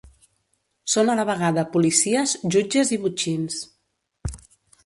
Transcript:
Són a la vegada policies, jutges i botxins.